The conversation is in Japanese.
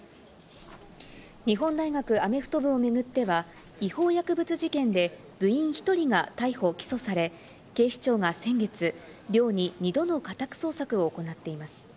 日本大学アメフト部を巡っては、違法薬物事件で、部員１人が逮捕・起訴され、警視庁が先月、寮に２度の家宅捜索を行っています。